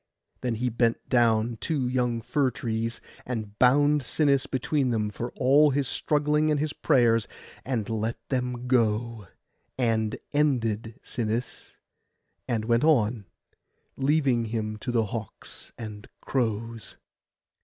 Then he bent down two young fir trees, and bound Sinis between them for all his struggling and his prayers; and let them go, and ended Sinis, and went on, leaving him to the hawks and crows.